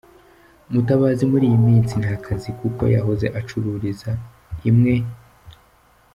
Mutabazi muri iyi minsi nta kazi kuko yahoze acururiza imwe